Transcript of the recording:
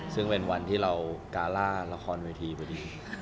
ซึ่งเป็นวันที่เราการ่าละครเวทีประดิษฐ์